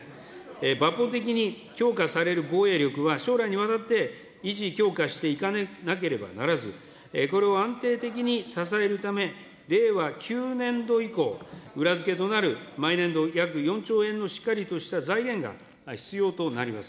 抜本的に強化される防衛力は、将来にわたって維持強化していかなければならず、これを安定的に支えるため、令和９年度以降、裏付けとなる毎年度約４兆円のしっかりとした財源が必要となります。